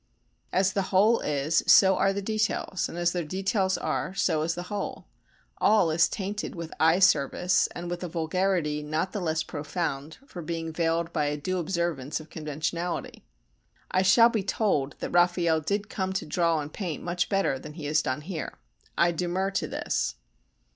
As the whole is, so are the details, and as the details are, so is the whole; all is tainted with eye service and with a vulgarity not the less profound for being veiled by a due observance of conventionality. I shall be told that Raffaelle did come to draw and paint much better than he has done here. I demur to this.